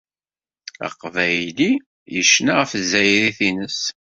Aqbayli yecna ɣef tezzayrit-nnes.